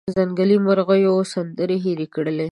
ځنګلي مرغېو سندرې هیرې کړلې